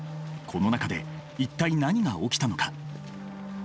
この中で一体何が起きたのか？